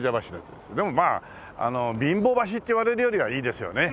でもまあ貧乏橋って言われるよりはいいですよね